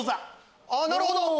なるほど！